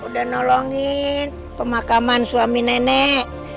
udah nolongin pemakaman suami nenek